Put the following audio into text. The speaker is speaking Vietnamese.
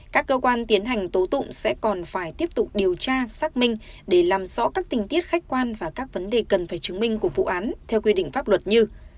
các cơ quan tiến hành tố tụng sẽ còn phải tiếp tục điều tra xác minh để làm rõ các tình tiết khách quan và các vấn đề cần phải chứng minh của vụ án theo quy định pháp luật như